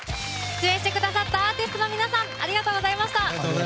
出演してくださったアーティストの皆さんありがとうございました。